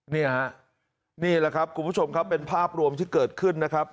นี่แหละครับคุณผู้ชมครับเป็นภาพรวมที่เกิดขึ้นนะครับ